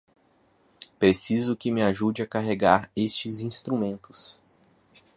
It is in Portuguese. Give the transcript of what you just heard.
Preciso que me ajude a carregar estes instrumentos.